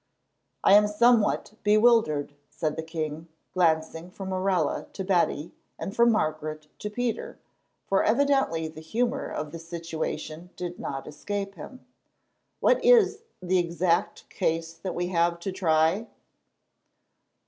"I am somewhat bewildered," said the king, glancing from Morella to Betty and from Margaret to Peter, for evidently the humour of the situation did not escape him. "What is the exact case that we have to try?"